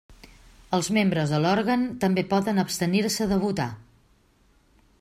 Els membres de l'òrgan també poden abstenir-se de votar.